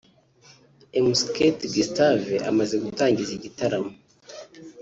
Mc Kate Gustave amaze gutangiza igitaramo